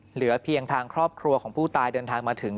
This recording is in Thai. เหลือเพียงทางครอบครัวของผู้ตายเดินทางมาถึง